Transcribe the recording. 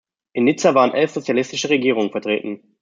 In Nizza waren elf sozialistische Regierungen vertreten.